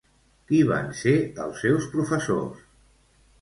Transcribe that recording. Qui van ser els seus professors?